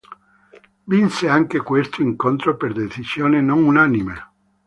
Vinse anche questo incontro per decisione non unanime.